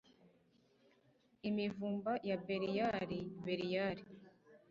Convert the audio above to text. imivumba ya Beliyali Beliyali